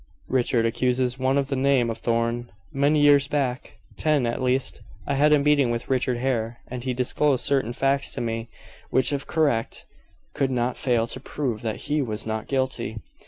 "Richard accuses one of the name of Thorn. Many years back ten at least I had a meeting with Richard Hare, and he disclosed certain facts to me, which if correct, could not fail to prove that he was not guilty.